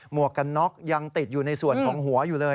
วกกันน็อกยังติดอยู่ในส่วนของหัวอยู่เลย